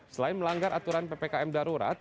selain melanggar aturan ppkm darurat